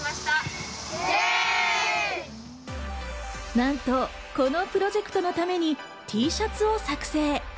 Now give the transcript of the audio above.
何とこのプロジェクトのために、Ｔシャツを作成。